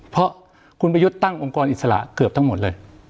เพราะคุณประยุทธ์ตั้งองค์กรอิสระเกือบทั้งหมดเลย